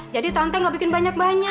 jadi tante nggak bikin banyak banyak